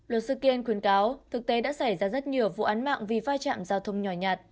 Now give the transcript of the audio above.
luật sư kiên cáo thực tế đã xảy ra rất nhiều vụ án mạng vì vai trạm giao thông nhỏ nhạt